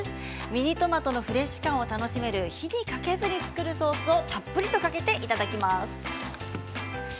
ミニトマトのフレッシュ感を楽しめる火にかけずに作るソースをたっぷりかけていただきます。